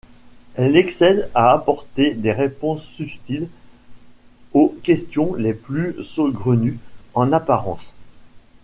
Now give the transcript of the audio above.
Elle excelle à apporter des réponses subtiles aux questions les plus saugrenues en apparence.